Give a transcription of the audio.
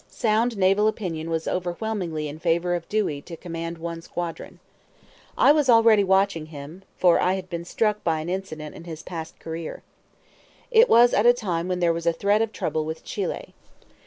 Sound naval opinion was overwhelmingly in favor of Dewey to command one squadron. I was already watching him, for I had been struck by an incident in his past career. It was at a time when there was threat of trouble with Chile.